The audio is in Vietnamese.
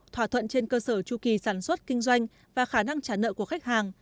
thỏa thuận trên cơ sở tru kỳ sản xuất kinh doanh và khả năng trả nợ của khách hàng